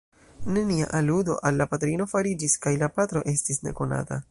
Nenia aludo al la patrino fariĝis kaj la patro estis nekonata.